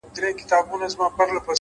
پوهه د نسلونو لپاره ارزښتمن میراث دی’